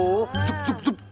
wah bang jembatan